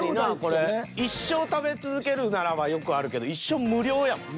「一生食べ続けるなら」はよくあるけど「一生無料」やもんな。